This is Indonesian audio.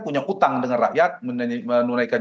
punya utang dengan rakyat menunaikan